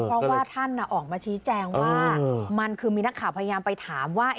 เพราะว่าท่านออกมาชี้แจงว่ามันคือมีนักข่าวพยายามไปถามว่า